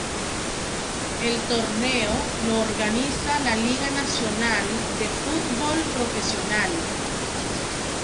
El torneo lo organiza la Liga Nacional de Fútbol Profesional.